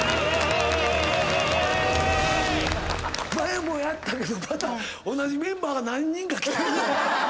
前もやったけどまた同じメンバーが何人か来てるぞ。